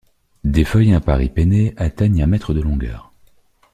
Des feuilles imparipennées atteignant un mètre de longueur.